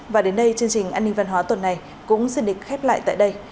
và đến đây chương trình an ninh văn hóa tuần này cũng xin được khép lại tại đây